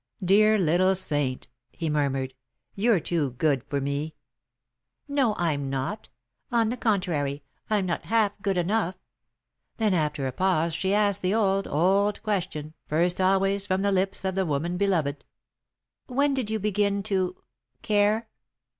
"Dear little saint," he murmured; "you're too good for me." "No, I'm not. On the contrary, I'm not half good enough." Then, after a pause, she asked the old, old question, first always from the lips of the woman beloved: "When did you begin to care?"